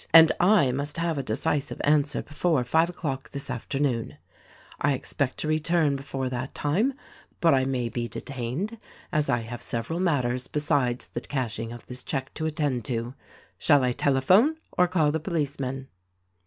And I must have a decisive answer before five o'clock this afternoon. I expect to return before that time — but I may be detained, as I have several matters besides the THE RECORDING AXGEL 155 cashing of this check to attend to. Shall I telephone, or call the policeman?"'